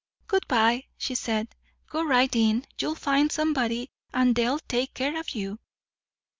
"Good bye," she said. "Go right in you'll find somebody, and they'll take care of you."